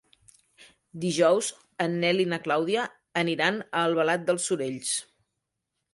Dijous en Nel i na Clàudia aniran a Albalat dels Sorells.